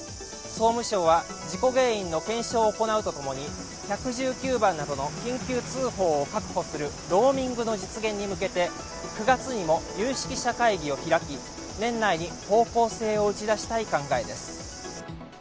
総務省は、事故原因の検証を行うとともに、１１９番などの緊急通報を確保するローミングの実現に向けて、９月にも有識者会議を開き、年内に方向性を打ち出したい考えです。